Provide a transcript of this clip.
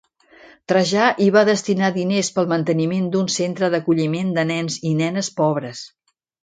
Trajà hi va destinar diners pel manteniment d'un centre d'acolliment de nens i nenes pobres.